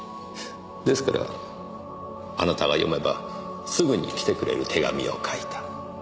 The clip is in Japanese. ですからあなたが読めばすぐに来てくれる手紙を書いた。